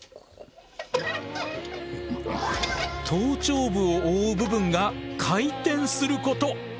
頭頂部を覆う部分が回転すること！